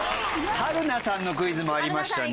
春菜さんのクイズもありましたね。